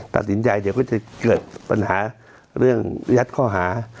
ตัดสินใจเดี๋ยวก็จะเกิดปัญหาเรื่องยัดข้อหา